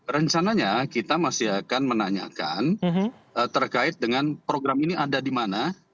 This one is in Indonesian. rencananya kita masih akan menanyakan terkait dengan program ini ada di mana